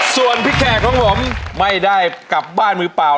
ส่วนพี่แขกของผมไม่ได้กลับบ้านมือเปล่า